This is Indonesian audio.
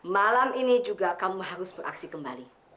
malam ini juga kamu harus beraksi kembali